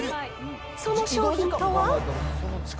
その商品とは。